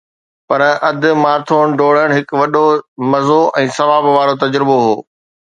پر اڌ مارٿون ڊوڙڻ هڪ وڏو مزو ۽ ثواب وارو تجربو هو